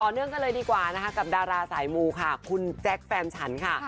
เนื่องกันเลยดีกว่านะคะกับดาราสายมูค่ะคุณแจ๊คแฟนฉันค่ะ